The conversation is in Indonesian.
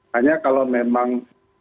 hanya kalau memang